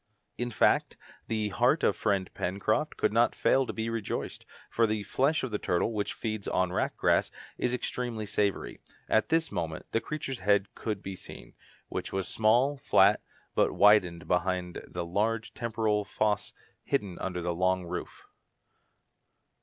In fact, the heart of friend Pencroft could not fail to be rejoiced, for the flesh of the turtle, which feeds on wrack grass, is extremely savoury. At this moment the creature's head could be seen, which was small, flat, but widened behind by the large temporal fossæ hidden under the long roof.